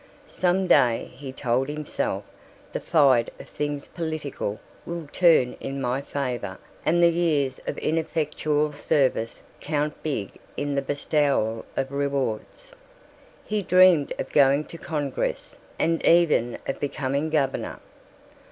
Some day, he told himself, the tide of things political will turn in my favor and the years of ineffectual service count big in the bestowal of rewards. He dreamed of going to Congress and even of becoming governor.